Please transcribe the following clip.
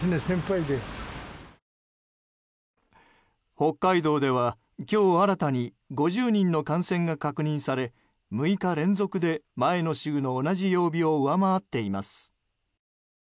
北海道では、今日新たに５０人の感染が確認され６日連続で前の週の同じ曜日を上回っています。